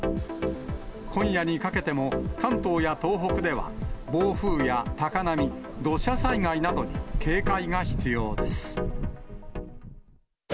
今夜にかけても、関東や東北では暴風や高波、土砂災害などに警戒が必要です。